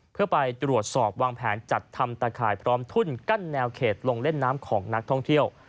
เพื่อไปตรวจสอบวางแผนจัดทำตะข่ายพร้อมทุ่นกั้นแนวเขตลงเล่นน้ำของนักท่องเที่ยว